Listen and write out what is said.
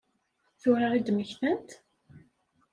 Tura i d-mmektant?